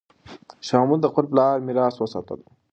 شاه محمود د خپل پلار میراث وساتلو.